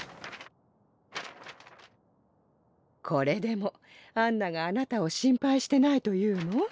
これでもアンナがあなたを心配してないと言うの？